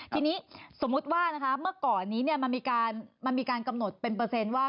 ทีนี้สมมุติว่าเมื่อก่อนนี้มันมีการกำหนดเป็นเปอร์เซ็นต์ว่า